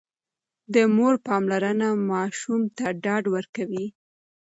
د مور پاملرنه ماشوم ته ډاډ ورکوي.